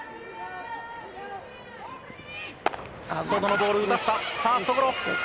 外のボール打たせたファーストゴロ。